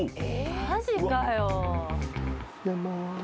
マジかよ。